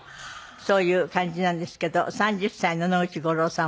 そういう感じなんですけど３０歳の野口五郎さんをご覧ください。